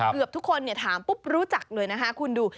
เกือบทุกคนถามปุ๊บรู้จักเลยนะคะคุณดู